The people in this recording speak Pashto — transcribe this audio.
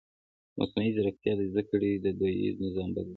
مصنوعي ځیرکتیا د زده کړې دودیز نظام بدلوي.